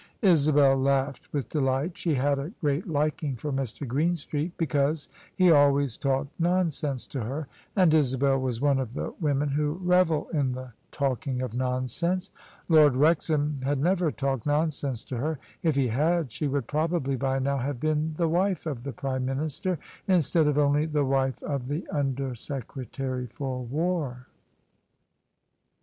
Isabel laughed with delight. She had a great liking for Mr. Greenstreet, because he always talked nonsense to her, and Isabel was one of the women who revel in the talking THE SUBJECTION of nonsense. Lord Wrexham had never talked nonsense to her: if he had, she would probably by now have been the wife of the Prime Minister, instead of only the wife of the Under Secretary for War.